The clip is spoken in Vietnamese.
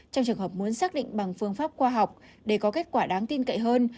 trong trường hợp muốn xác định bằng phương pháp khoa học để có kết quả đáng tin cậy hơn